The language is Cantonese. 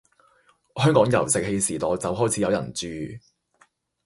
香港由石器時代就開始有人住